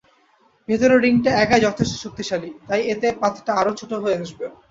ভেতরের রিংটা একাই যথেষ্ট শক্তিশালী, তাই এতে পাতটা আরও ছোটো হয়ে আসবে।